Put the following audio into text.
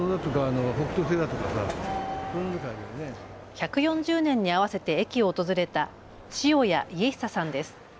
１４０年に合わせて駅を訪れた塩谷家久さんです。